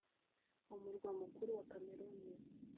umurwa mukuru wa Cameroun